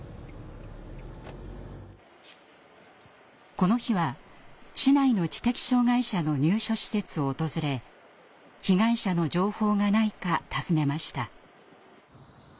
この日は市内の知的障害者の入所施設を訪れ被害者の情報がないかたずねました。